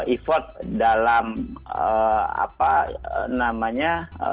effort dalam apa namanya